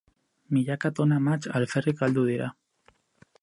Milaka tona mahats alferrik galdu dira.